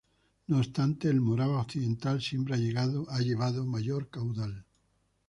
No obstante, el Morava occidental siempre ha llevado mayor caudal.